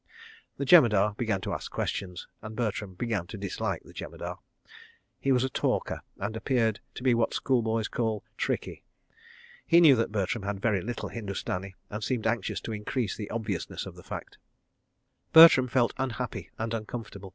The Jemadar began to ask questions, and Bertram began to dislike the Jemadar. He was a talker, and appeared to be what schoolboys call "tricky." He knew that Bertram had very little Hindustani, and seemed anxious to increase the obviousness of the fact. Bertram felt unhappy and uncomfortable.